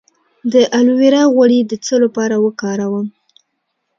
د الوویرا غوړي د څه لپاره وکاروم؟